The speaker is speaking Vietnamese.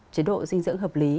chế độ dinh dưỡng hợp lý